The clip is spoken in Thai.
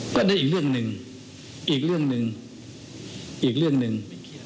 ก็ได้อีกเรื่องหนึ่งอีกเรื่องหนึ่งอีกเรื่องหนึ่ง